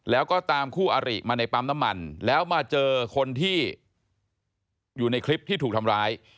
แล้วก็ตามคู่อริมาในปั๊มน้ำมันแล้วมาเจอคนที่อยู่ในคลิปที่ถูกทำร้าย